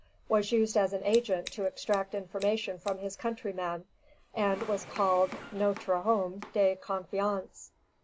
"] was used as an agent to extract information from his countrymen, and was called _"notre homme de confiance."